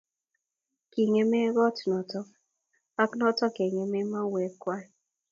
kingemee kot noto ak noto kengemet mauwek kwai